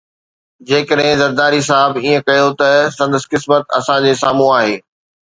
جيڪڏهن زرداري صاحب ائين ڪيو ته سندس قسمت اسان جي سامهون آهي.